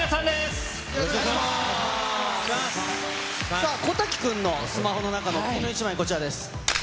さあ、小瀧君のスマホの中のお気に入りの１枚、こちらです。